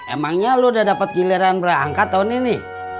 emangnya lo udah dapet giliran berangkat tahun ini